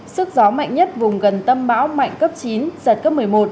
sức gió mạnh nhất vùng gần tâm bão mạnh cấp chín giật cấp một mươi một